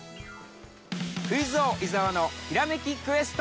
◆「クイズ王・伊沢のひらめきクエスト」。